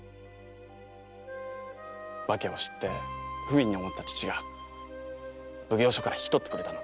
訳を知って不憫に思った義父が奉行所から引き取ってくれました。